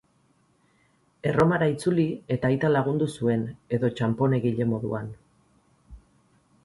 Erromara itzuli eta aita lagundu zuen edo txanpon-egile moduan.